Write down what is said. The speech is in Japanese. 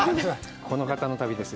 この方の旅です。